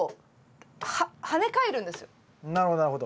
なるほどなるほど。